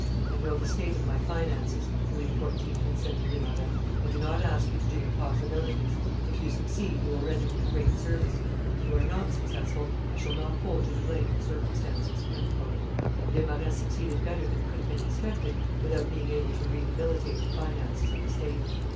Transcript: "I know the state of my finances," Louis XIV. had said to Desmarets; "I do not ask you to do impossibilities; if you succeed, you will render me a great service; if you are not successful, I shall not hold you to blame for circumstances." Desmarets succeeded better than could have been expected without being able to rehabilitate the finances of the state.